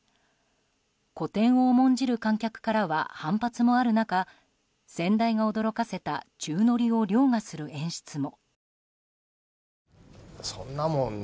古典を重んじる観客からは反発もある中先代が驚かせた宙乗りを凌駕する演出も。